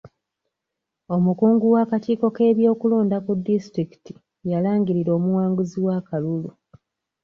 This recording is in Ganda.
Omukungu w'akakiiko k'ebyokulonda ku disitulikiti yalangirira omuwanguzi w'akalulu.